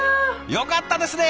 よかったですね！